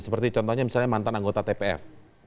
seperti contohnya misalnya mantan anggota tpf